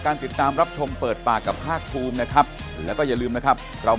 ก็ยื่นตรวจสอบมาเกือบทุกภาคการเมืองอยู่แล้ว